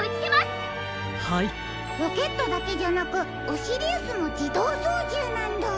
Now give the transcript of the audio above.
ロケットだけじゃなくオシリウスもじどうそうじゅうなんだ。